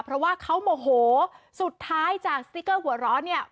เพราะว่าเขาโมโหสุดท้ายจากสติ๊กเกอร์หัวร้อนเนี่ย